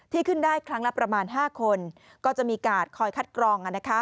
ขึ้นได้ครั้งละประมาณ๕คนก็จะมีการคอยคัดกรอง